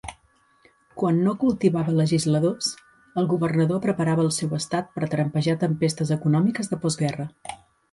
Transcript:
Quan no cultivava legisladors, el governador preparava el seu estat per trampejar tempestes econòmiques de postguerra.